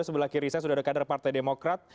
sebelah kiri saya sudah ada kader partai demokrat